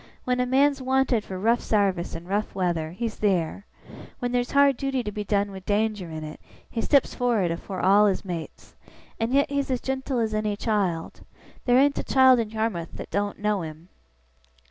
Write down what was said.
When a man's wanted for rough sarvice in rough weather, he's theer. When there's hard duty to be done with danger in it, he steps for'ard afore all his mates. And yet he's as gentle as any child. There ain't a child in Yarmouth that doen't know him.